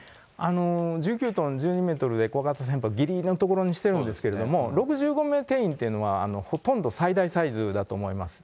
１９トン１２メートルで小型船舶、ぎりぎりのところにしてるんですけれども、６５名定員っていうのは、ほとんど最大サイズだと思います。